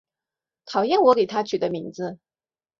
讨厌我给她取的名字